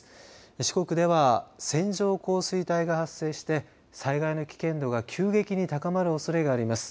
四国では線状降水帯が発生して災害の危険度が急激に高まるおそれがあります。